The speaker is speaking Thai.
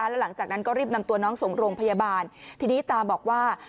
แล้วหลังจากนั้นก็รีบนำตัวน้องส่งโรงพยาบาลทีนี้ตาบอกว่า